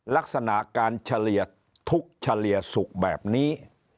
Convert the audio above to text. ลักษณะการเฉลี่ยทุกข์เฉลี่ยสุขแบบนี้